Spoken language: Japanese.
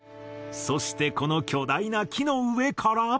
そしてこの巨大な木の上から。